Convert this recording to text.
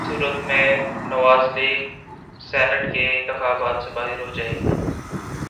اس صورت میں Nawaz League Senate کے انتخابات سے باہر ہو جائے گی۔